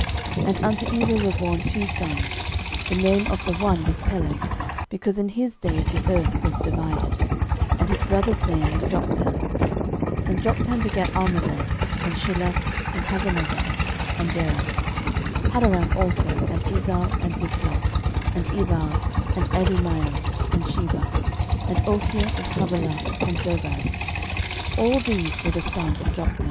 13:001:019 And unto Eber were born two sons: the name of the one was Peleg; because in his days the earth was divided: and his brother's name was Joktan. 13:001:020 And Joktan begat Almodad, and Sheleph, and Hazarmaveth, and Jerah, 13:001:021 Hadoram also, and Uzal, and Diklah, 13:001:022 And Ebal, and Abimael, and Sheba, 13:001:023 And Ophir, and Havilah, and Jobab. All these were the sons of Joktan.